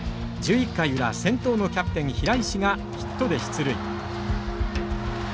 １１回裏先頭のキャプテン平石がヒットで出塁。